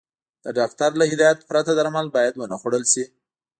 د ډاکټر له هدايت پرته درمل بايد ونخوړل شي.